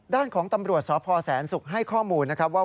ด้านของตำรวจสพแสนศุกร์ให้ข้อมูลนะครับว่า